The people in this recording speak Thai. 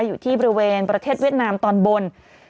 อยู่ที่บริเวณประเทศเวียดนามตอนบน